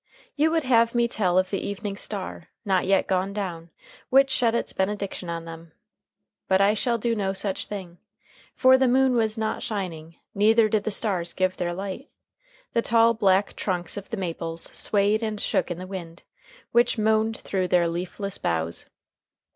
You would have me tell of the evening star, not yet gone down, which shed its benediction on them. But I shall do no such thing. For the moon was not shining, neither did the stars give their light. The tall, black trunks of the maples swayed and shook in the wind, which moaned through their leafless boughs.